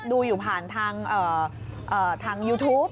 ดูอยู่ผ่านทางยูทูป